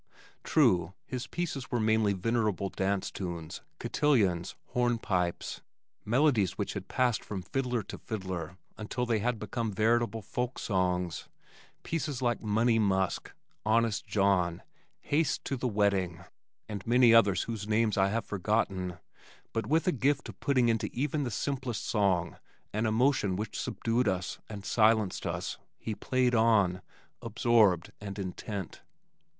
True, his pieces were mainly venerable dance tunes, cotillions, hornpipes, melodies which had passed from fiddler to fiddler until they had become veritable folk songs, pieces like "Money Musk," "Honest John," "Haste to the Wedding," and many others whose names I have forgotten, but with a gift of putting into even the simplest song an emotion which subdued us and silenced us, he played on, absorbed and intent.